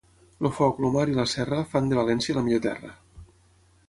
El foc, el mar i la serra fan de València la millor terra.